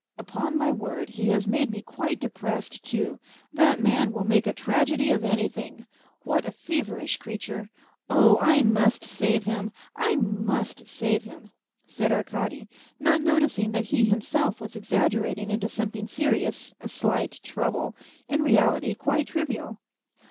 *' Upon my word, he has made me quite depressed, too, that man will make a tragedy of anything ! What a feverish creature ! Oh, I must save him ! I must save him !" said Arkady, not noticing that he himself was exaggerating into something serious a slight trouble, in reality quite trivial.